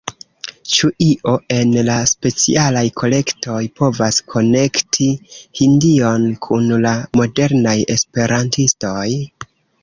Ĉu io en la Specialaj Kolektoj povas konekti Hindion kun la modernaj esperantistoj?